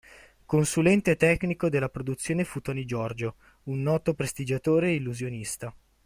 Consulente tecnico della produzione fu Tony Giorgio, un noto prestigiatore e illusionista.